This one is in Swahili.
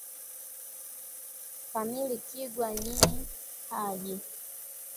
Kamilikigwa nyi haji.